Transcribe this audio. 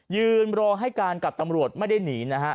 ยืนรอให้การกับตำรวจไม่ได้หนีนะฮะ